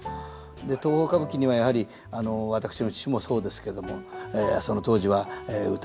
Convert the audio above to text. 東宝歌舞伎にはやはり私の父もそうですけどもその当時は歌右衛門おにいさんですか